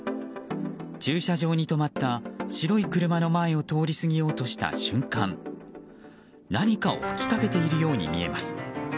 駐車場に止まった白い車の間を通り過ぎようとした瞬間何かを吹きかけているように見えます。